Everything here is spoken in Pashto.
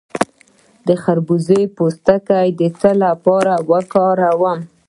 د خربوزې پوستکی د څه لپاره وکاروم؟